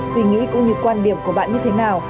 suy nghĩ cũng như quan điểm của bạn như thế nào